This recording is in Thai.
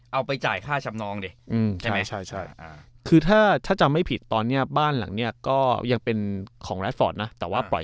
เอาไปจ่ายค่าจำนองดิ